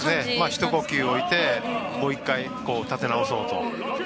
ひと呼吸おいてもう１回立て直そうと。